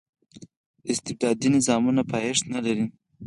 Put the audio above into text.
استبدادي نظامونه پایښت نه لري.